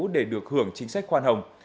để được hưởng chính sách khoan hồng